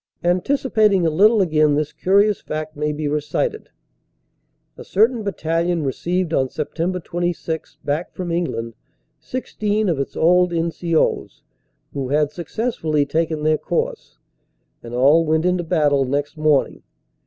Anticipating a little again, this curious fact may be recited. A certain battalion received on Sept. 26 back from England 16 of its old N.C.O s who had successfully taken their course, and all went into battle next morning.